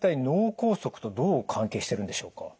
脳梗塞とどう関係してるんでしょうか？